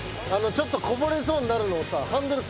ちょっとこぼれそうになるのをさハンドル